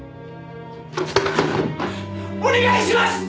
お願いします！